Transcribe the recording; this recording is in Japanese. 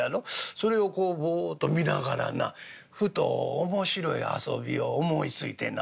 それをぼっと見ながらなふと面白い遊びを思いついてな」。